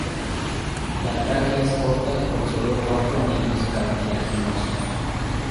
La tráquea es corta con solo cuatro anillos cartilaginosos.